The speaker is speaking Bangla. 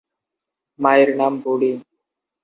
মায়ের নাম বুড়ি।